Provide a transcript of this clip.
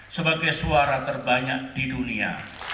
sebagai suara terbanyak di dunia